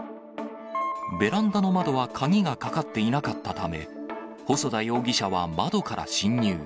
ベランダの窓は鍵がかかっていなかったため、細田容疑者は窓から侵入。